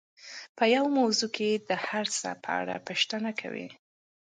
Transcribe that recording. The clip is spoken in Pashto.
په يوه موضوع کې د هر څه په اړه پوښتنې کوي.